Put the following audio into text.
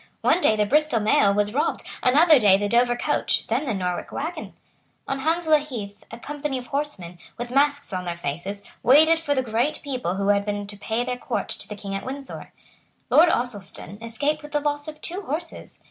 One day the Bristol mail was robbed; another day the Dover coach; then the Norwich waggon. On Hounslow Heath a company of horsemen, with masks on their faces, waited for the great people who had been to pay their court to the King at Windsor. Lord Ossulston escaped with the loss of two horses.